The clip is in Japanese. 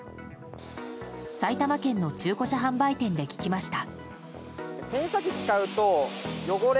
埼玉県の中古車販売店で聞きました。